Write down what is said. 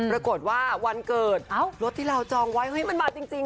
รับโดยรูปว่าวันเกิดรถที่เราจองไว้มันมาจริง